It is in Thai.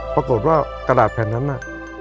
ปรากฏว่ากระดาษแผ่นนั้นน่ะ